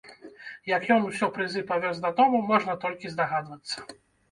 Як ён усё прызы павёз дадому, можна толькі здагадвацца.